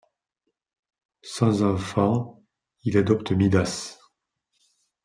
Sans enfant, il adopte Midas.